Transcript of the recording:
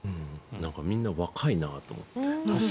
みんな若いなと思って。